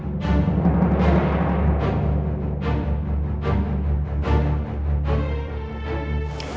sampai jumpa di video selanjutnya